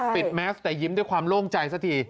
แมสแต่ยิ้มด้วยความโล่งใจสักที